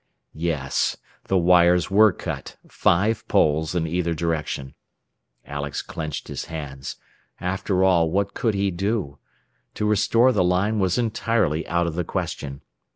Yes, the wires were cut, five poles in either direction! Alex clenched his hands. After all, what could he do? To restore the line was entirely out of the question.